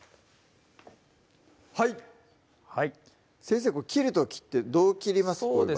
はい先生切る時ってどう切ります？